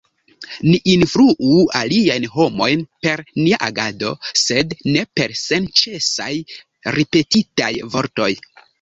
Ni influu aliajn homojn per nia agado, sed ne per senĉesaj ripetitaj vortoj.